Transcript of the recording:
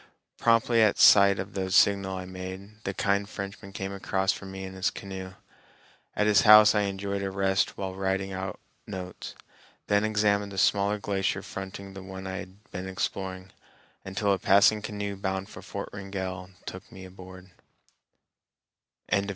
Promptly at sight of the signal I made, the kind Frenchman came across for me in his canoe. At his house I enjoyed a rest while writing out notes; then examined the smaller glacier fronting the one I had been exploring, until a passing canoe bound for Fort Wrangell took me aboard.